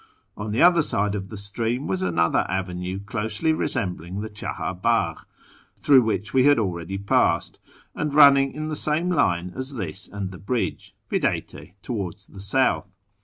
On the other side of the stream was another avenue closely reseml3ling the Chahar Bagh, through which we had already passed, and running in the same line as this and the bridge, viz. towards the south.